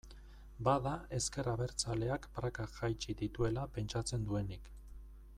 Bada ezker abertzaleak prakak jaitsi dituela pentsatzen duenik.